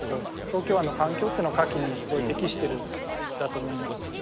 東京湾の環境っていうのはカキにすごい適しているんだと思います。